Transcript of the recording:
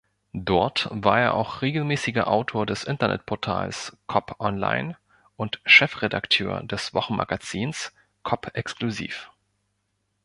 Dort war er auch regelmäßiger Autor des Internetportals "Kopp-Online" und Chefredakteur des Wochenmagazins "Kopp-Exklusiv".